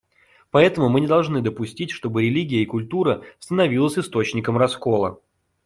Поэтому мы не должны допустить, чтобы религия и культура становились источником раскола.